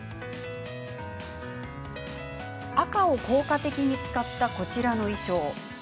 赤色を効果的に使ったこちらの衣装。